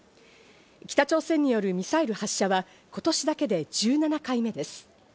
北朝鮮によるミサイル発射は今年だけで１７回目です。